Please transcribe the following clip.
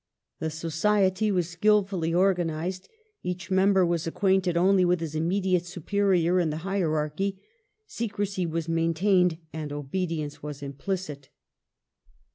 The Society was skilfully organized ; each member was acquainted only with his immediate superior in the hierarchy ; secrecy was maintained and obedience was implicit.